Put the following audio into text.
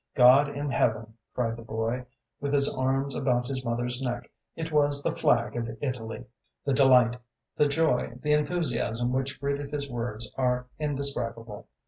God in heaven!" cried the boy, with his arms about his mother's neck, "it was the flag of Italy!" The delight, the joy, the enthusiasm which greeted his words are indescribable.